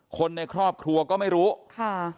คนในครอบครัวก็ไม่รู้ค่ะ